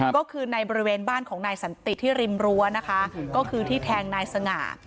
ก็คือในบริเวณบ้านของนายสันติที่ริมรั้วนะคะก็คือที่แทงนายสง่า